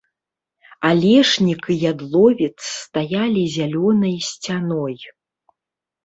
Алешнік і ядловец стаялі зялёнай сцяной.